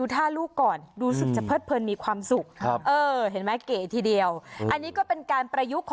ตามความสะดวกนะคะ